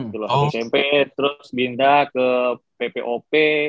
gitu loh satu smp terus pindah ke ppop